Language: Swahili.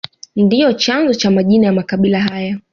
Ndio chanzo cha majina ya makabila haya